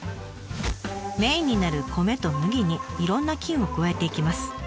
メインになる米と麦にいろんな菌を加えていきます。